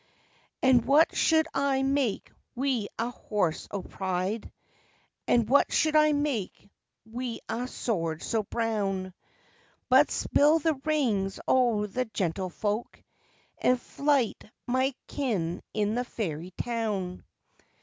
"And what should I make wi' a horse o' pride, And what should I make wi' a sword so brown, But spill the rings o' the Gentle Folk And flyte my kin in the Fairy Town?